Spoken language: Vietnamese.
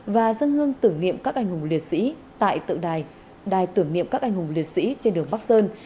và dân hương tưởng niệm các anh hùng liệt sĩ tại tượng đài đài tưởng niệm các anh hùng liệt sĩ trên đường bắc sơn